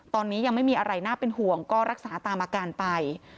ตอนนี้ยังไม่มีอะไรน่าเป็นห่วงก็รักษาตามอาการไป